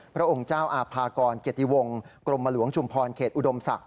พระองค์เจ้าอาภากรเกียรติวงศ์กรมหลวงชุมพรเขตอุดมศักดิ